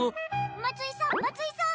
松井さん松井さん。